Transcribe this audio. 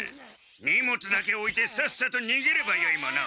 荷物だけおいてさっさとにげればよいものを。